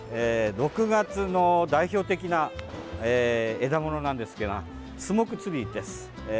６月の代表的な枝ものなんですけどスモークツリーです。